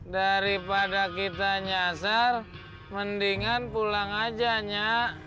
daripada kita nyasar mendingan pulang aja nyak